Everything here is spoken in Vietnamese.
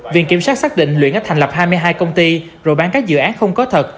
viện kiểm sát xác định luyện đã thành lập hai mươi hai công ty rồi bán các dự án không có thật